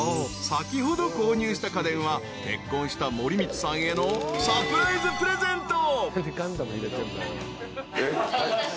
先ほど購入した家電は結婚した森満さんへのサプライズプレゼント］